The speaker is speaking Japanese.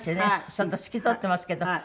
ちょっと透き通ってますけど。